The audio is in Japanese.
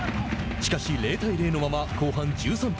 しかし、０対０のまま後半１３分。